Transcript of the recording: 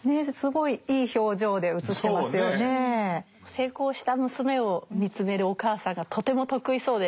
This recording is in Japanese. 成功した娘を見つめるお母さんがとても得意そうでいいですよね。